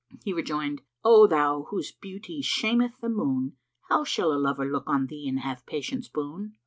He rejoined, "O thou whose beauty shameth the moon, how shall a lover look on thee and have patience boon?"